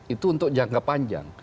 itu untuk jangka panjang